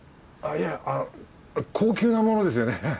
あっいやあの高級なものですよね？